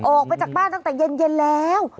ออกไปจากบ้านตั้งแต่เย็นแล้ว